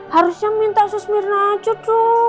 harusnya minta sus mirna cukup